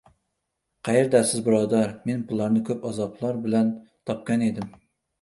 — qaerdasiz, birodar, men pullarni ko‘p azoblar bilan topgan edim.